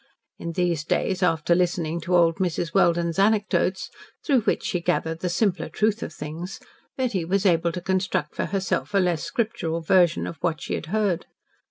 In these days, after listening to old Mrs. Welden's anecdotes, through which she gathered the simpler truth of things, Betty was able to construct for herself a less Scriptural version of what she had heard.